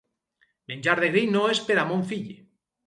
Menjar de grill no és per a mon fill.